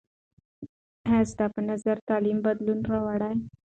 آیا ستا په نظر تعلیم بدلون راوړي؟